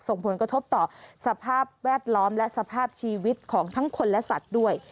ส่งผลกระทบต่อสภาพแวดล้อมและสภาพชีวิตของทั้งคนและสัตว์ด้วย